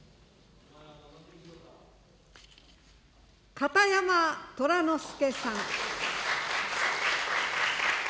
片山虎之助さん。